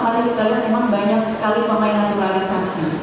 karena kita lihat memang banyak sekali pemain naturalisasi